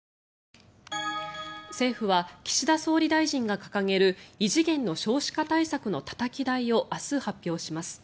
政府は岸田総理大臣が掲げる異次元の少子化対策のたたき台を明日発表します。